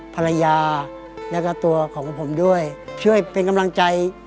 ภรรยาแล้วก็ตัวของผมด้วยช่วยเป็นกำลังใจ